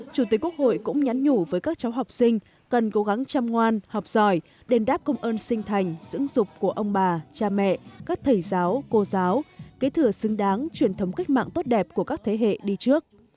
chủ tịch quốc hội cũng nhắn nhủ với các cháu học sinh cần cố gắng chăm ngoan học giỏi đền đáp công ơn sinh thành dưỡng dục của ông bà cha mẹ các thầy giáo cô giáo kế thừa xứng đáng truyền thống cách mạng tốt đẹp của các thế hệ đi trước